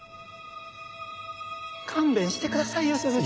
勘弁してくださいよ鈴木さん。